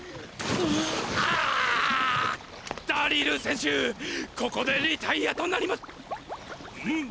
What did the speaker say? ダリルせんしゅここでリタイアとなりまん？